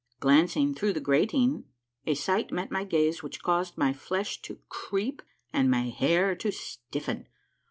Glancing through the grating, a sight met my gaze which caused my flesh to creep and my hair to stiffen.